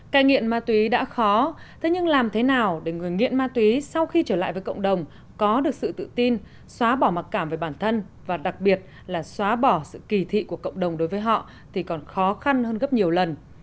cai nghiện ma túy đã khó thế nhưng làm thế nào để người nghiện ma túy sau khi trở lại với cộng đồng có được sự tự tin xóa bỏ mặc cảm với bản thân và đặc biệt là xóa bỏ sự kỳ thị của cộng đồng đối với họ thì còn khó khăn hơn gấp nhiều lần